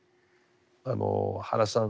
原さん